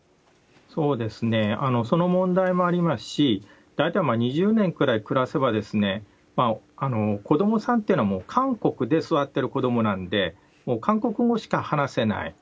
そうですね、その問題もありますし、大体２０年くらい暮らせば、子どもさんというのは、韓国で育ってる子どもなんで、もう韓国語しか話せない。